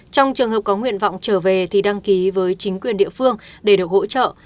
trong trường hợp có nguyện vọng trở về thì đăng ký với chính quyền địa phương để được hỗ trợ